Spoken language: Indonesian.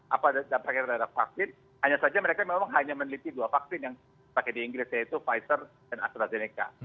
apa dampaknya terhadap vaksin hanya saja mereka memang hanya meneliti dua vaksin yang dipakai di inggris yaitu pfizer dan astrazeneca